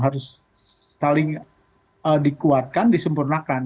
harus saling dikuatkan disempurnakan